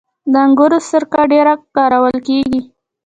د انګورو سرکه ډیره کارول کیږي.